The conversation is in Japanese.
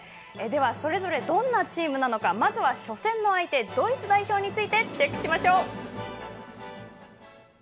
それぞれどんなチームなのかまずは初戦の相手ドイツ代表をチェックしましょう。